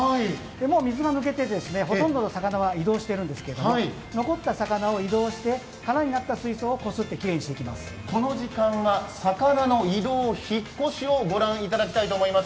もう水が抜けて、ほとんどの魚は移動してるんですけども残った魚を移動して空になった水槽をこの時間は魚の移動、引っ越しを御覧いただきます。